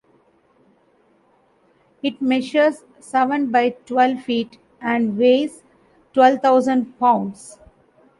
It measures seven by twelve feet and weighs twelve thousand pounds.